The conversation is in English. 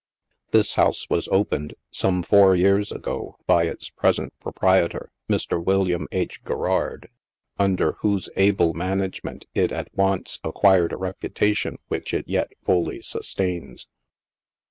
This house was opened, some four years ago, by its present proprietor, Mr. Yfilliam H. Garrard, under whose able man agement it at once acquired a reputation which it yet fully sustains.